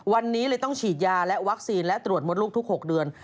วันนี้เลยต้องฉีดยาและวัคซีนและตรวจมดลูกทุก๖เดือน